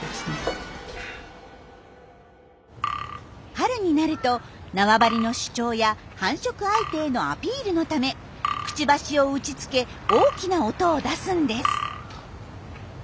春になると縄張りの主張や繁殖相手へのアピールのためくちばしを打ちつけ大きな音を出すんです。